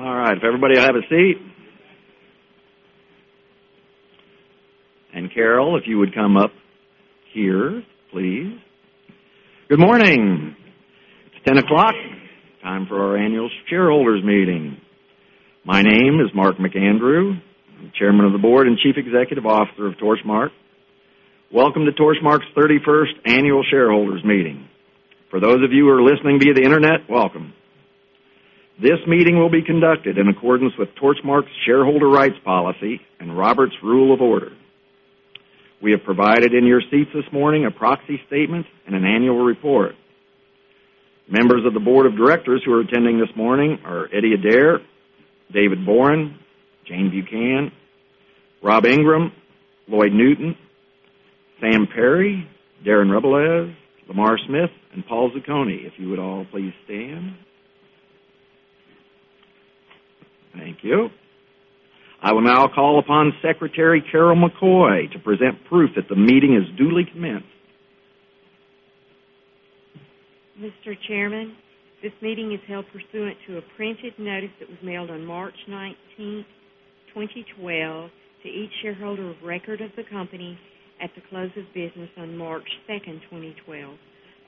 All right. If everybody will have a seat. Carol, if you would come up here, please. Good morning. It's 10:00 A.M., time for our annual shareholders meeting. My name is Mark McAndrew. I'm Chairman of the Board and Chief Executive Officer of Torchmark. Welcome to Torchmark's 31st Annual Shareholders Meeting. For those of you who are listening via the internet, welcome. This meeting will be conducted in accordance with Torchmark's shareholder rights policy and Robert's Rules of Order. We have provided in your seats this morning a proxy statement and an annual report. Members of the board of directors who are attending this morning are Eddie Adair, David Boren, Jane Buchan, Rob Ingram, Lloyd Newton, Sam Perry, Darren Rebelez, Lamar Smith, and Paul Zucconi. If you would all please stand. Thank you. I will now call upon Secretary Carol McCoy to present proof that the meeting is duly commenced. Mr. Chairman, this meeting is held pursuant to a printed notice that was mailed on March 19th, 2012, to each shareholder of record of the company at the close of business on March 2nd, 2012.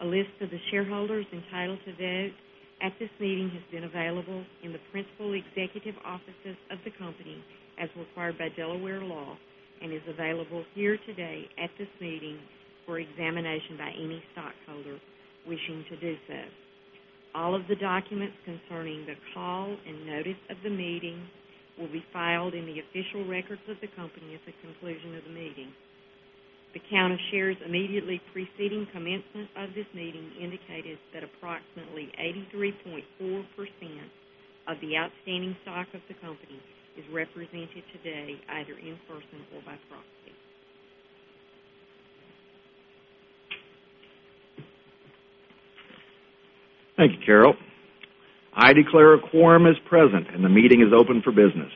A list of the shareholders entitled to vote at this meeting has been available in the principal executive offices of the company as required by Delaware law and is available here today at this meeting for examination by any stockholder wishing to do so. All of the documents concerning the call and notice of the meeting will be filed in the official records of the company at the conclusion of the meeting. The count of shares immediately preceding commencement of this meeting indicated that approximately 83.4% of the outstanding stock of the company is represented today, either in person or by proxy. Thank you, Carol. I declare a quorum is present, and the meeting is open for business.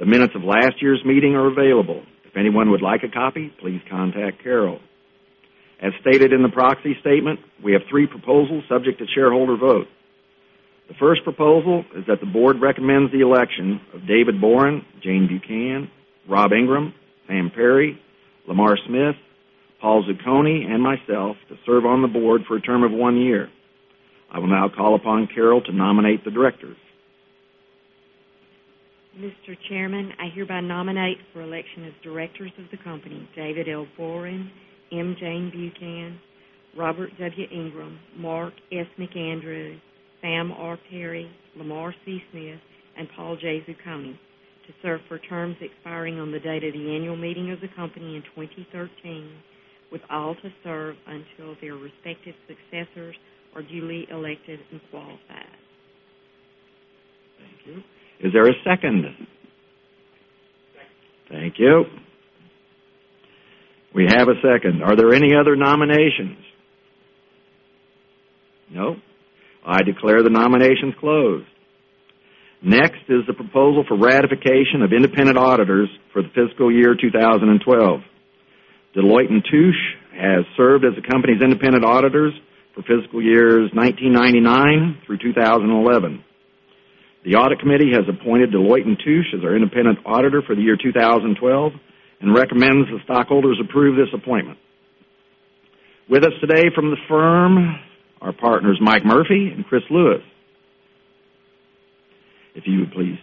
The minutes of last year's meeting are available. If anyone would like a copy, please contact Carol. As stated in the proxy statement, we have three proposals subject to shareholder vote. The first proposal is that the board recommends the election of David Boren, Jane Buchan, Rob Ingram, Sam Perry, Lamar Smith, Paul Zucconi, and myself to serve on the board for a term of one year. I will now call upon Carol to nominate the directors. Mr. Chairman, I hereby nominate for election as directors of the company, David L. Boren, M. Jane Buchan, Robert W. Ingram, Mark S. McAndrew, Sam R. Perry, Lamar C. Smith, and Paul J. Zucconi to serve for terms expiring on the date of the annual meeting of the company in 2013, with all to serve until their respective successors are duly elected and qualified. Thank you. Is there a second? Second. Thank you. We have a second. Are there any other nominations? No? I declare the nominations closed. Next is the proposal for ratification of independent auditors for the fiscal year 2012. Deloitte & Touche has served as the company's independent auditors for fiscal years 1999 through 2011. The audit committee has appointed Deloitte & Touche as our independent auditor for the year 2012 and recommends the stockholders approve this appointment. With us today from the firm are partners Mike Murphy and Chris Lewis. If you would, please.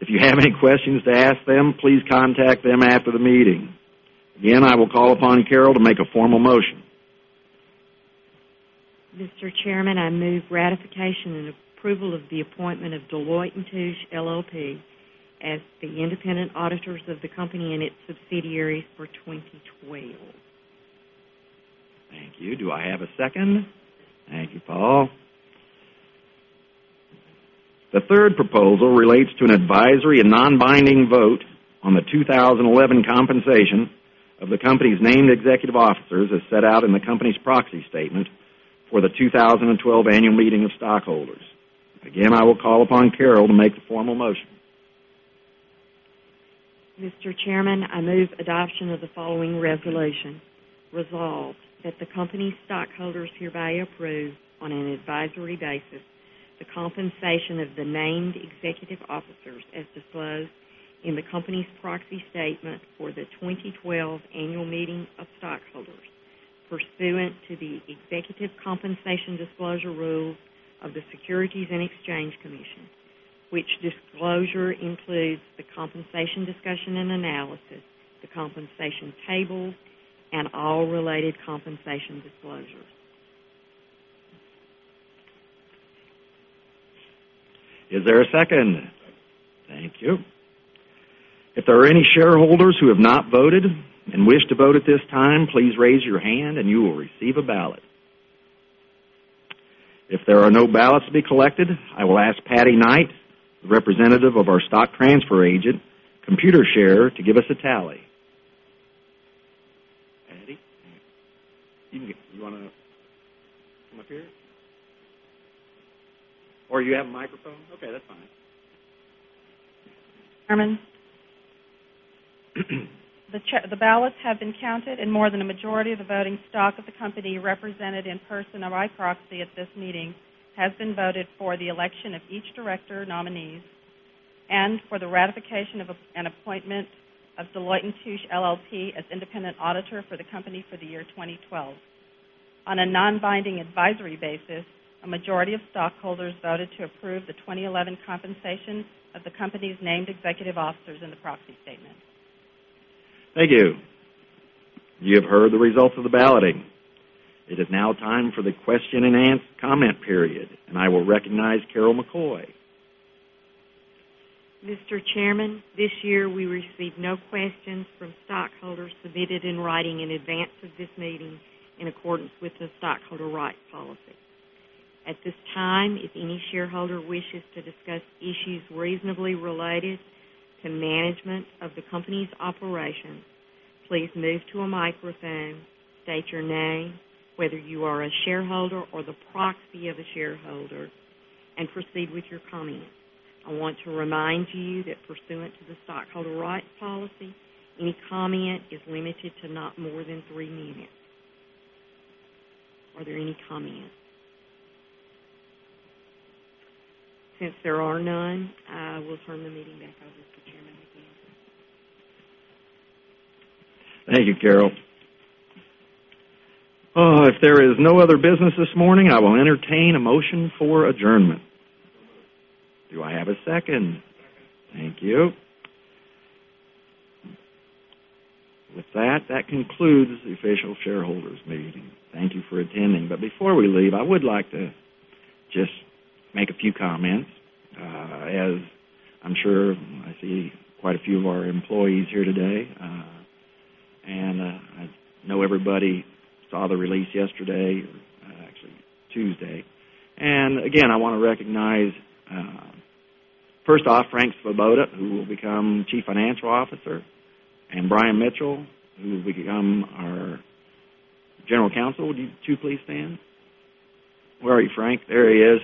If you have any questions to ask them, please contact them after the meeting. Again, I will call upon Carol to make a formal motion. Mr. Chairman, I move ratification and approval of the appointment of Deloitte & Touche LLP as the independent auditors of the company and its subsidiaries for 2012. Thank you. Do I have a second? Thank you, Paul. The third proposal relates to an advisory and non-binding vote on the 2011 compensation of the company's named executive officers as set out in the company's proxy statement for the 2012 annual meeting of stockholders. Again, I will call upon Carol to make the formal motion. Mr. Chairman, I move adoption of the following resolution. Resolved, that the company's stockholders hereby approve, on an advisory basis, the compensation of the named executive officers as disclosed in the company's proxy statement for the 2012 annual meeting of stockholders pursuant to the executive compensation disclosure rules of the Securities and Exchange Commission, which disclosure includes the compensation discussion and analysis, the compensation tables, and all related compensation disclosures. Is there a second? Second. Thank you. If there are any shareholders who have not voted and wish to vote at this time, please raise your hand and you will receive a ballot. If there are no ballots to be collected, I will ask Patty Knight, the representative of our stock transfer agent, Computershare, to give us a tally. Patty? You wanna come up here? Or you have a microphone? Okay, that's fine. Chairman. The ballots have been counted, more than a majority of the voting stock of the company represented in person or by proxy at this meeting has been voted for the election of each director nominees and for the ratification of an appointment of Deloitte & Touche LLP as independent auditor for the company for the year 2012. On a non-binding advisory basis, a majority of stockholders voted to approve the 2011 compensation of the company's named executive officers in the proxy statement. Thank you. You have heard the results of the balloting. It is now time for the question and answer comment period. I will recognize Carol McCoy. Mr. Chairman, this year we received no questions from stockholders submitted in writing in advance of this meeting in accordance with the stockholder rights policy. At this time, if any shareholder wishes to discuss issues reasonably related to management of the company's operations, please move to a microphone, state your name, whether you are a shareholder or the proxy of a shareholder, and proceed with your comments. I want to remind you that pursuant to the stockholder rights policy, any comment is limited to not more than three minutes. Are there any comments? There are none, I will turn the meeting back over to Chairman McAndrew. Thank you, Carol. If there is no other business this morning, I will entertain a motion for adjournment. Moved. Do I have a second? Second. Thank you. With that concludes the official shareholders' meeting. Thank you for attending. Before we leave, I would like to just make a few comments. As I'm sure I see quite a few of our employees here today. I know everybody saw the release yesterday, or actually Tuesday. Again, I want to recognize, first off, Frank Svoboda, who will become Chief Financial Officer, and Brian Mitchell, who will become our General Counsel. Would you two please stand? Where are you, Frank? There he is.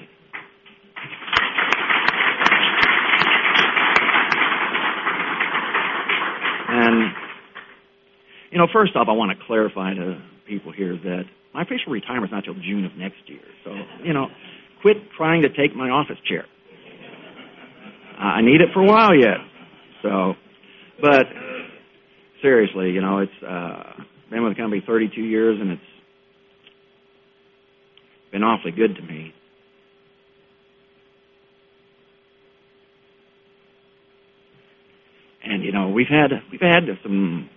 First off, I want to clarify to people here that my official retirement is not till June of next year. Quit trying to take my office chair. I need it for a while yet. Seriously, been with the company 32 years, and it's been awfully good to me. We've had some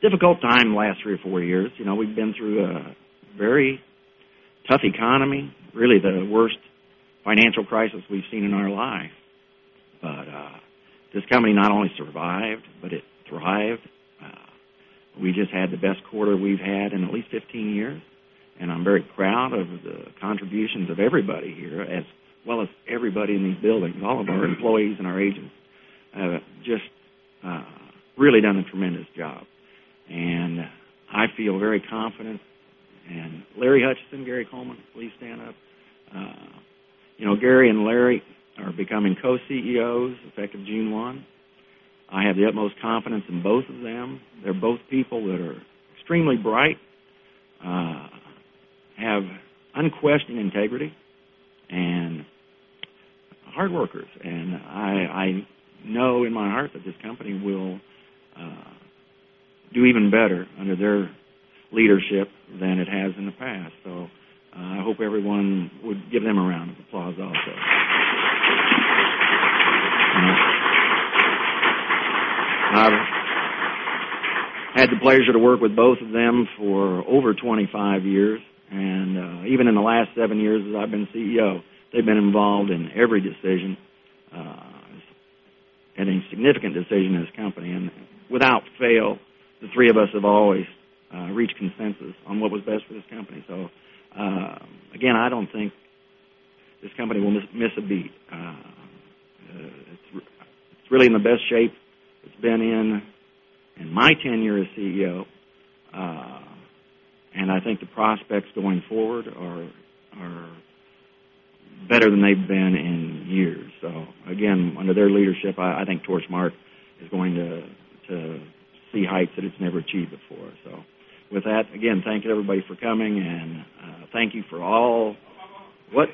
difficult time the last three or four years. We've been through a very tough economy, really the worst financial crisis we've seen in our life. This company not only survived, but it thrived. We just had the best quarter we've had in at least 15 years, and I'm very proud of the contributions of everybody here, as well as everybody in these buildings. All of our employees and our agents have just really done a tremendous job. I feel very confident. Larry Hutchison, Gary Coleman, please stand up. Gary and Larry are becoming Co-CEOs, effective June 1. I have the utmost confidence in both of them. They're both people that are extremely bright, have unquestioned integrity, and hard workers. I know in my heart that this company will do even better under their leadership than it has in the past. I hope everyone would give them a round of applause also. I've had the pleasure to work with both of them for over 25 years, and even in the last seven years that I've been CEO, they've been involved in every decision, any significant decision in this company. Without fail, the three of us have always reached consensus on what was best for this company. Again, I don't think this company will miss a beat. It's really in the best shape it's been in in my tenure as CEO. I think the prospects going forward are better than they've been in years. Again, under their leadership, I think Torchmark is going to see heights that it's never achieved before. With that, again, thank you everybody for coming, and thank you for all.